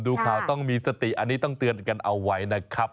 ดูข่าวต้องมีสติอันนี้ต้องเตือนกันเอาไว้นะครับ